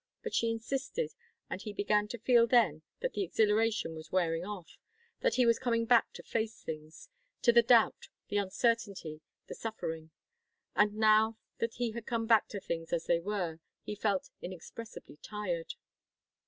But she insisted, and he began to feel then that the exhilaration was wearing off, that he was coming back to face things; to the doubt, the uncertainty, the suffering. And now that he had come back to things as they were, he felt inexpressibly tired.